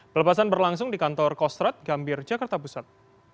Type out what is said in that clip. pelepasan berlangsung di kantor kostrat gambir jakarta pusat